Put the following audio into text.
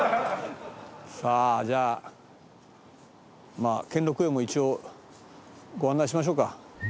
さあじゃあ兼六園も一応ご案内しましょうか。